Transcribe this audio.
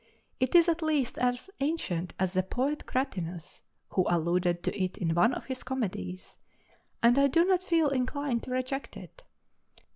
It is at least as ancient as the poet Cratinus, who alluded to it in one of his comedies, and I do not feel inclined to reject it.